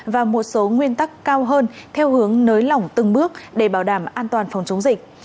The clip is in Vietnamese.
và một số nguyên tắc cao hơn theo hướng nới lỏng từng bước để bảo đảm an toàn phòng chống dịch